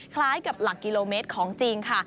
คล้ายกับหลักกิโลเมตรของจริงค่ะ